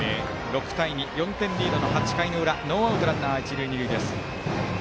６対２と４点リードの８回裏ノーアウトランナー、一塁二塁。